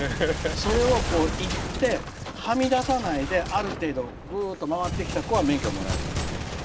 それを行ってはみ出さないである程度グッと回ってきた子は免許もらえるんです。